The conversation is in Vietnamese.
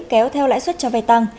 kéo theo lãi suất cho vai tăng